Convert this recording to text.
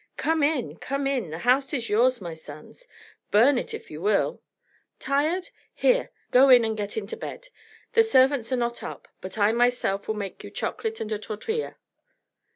Come in, come in. The house is yours, my sons. Burn it if you will. Tired? Here. Go in and get into bed. The servants are not up, but I myself will make you chocolate and a tortilla."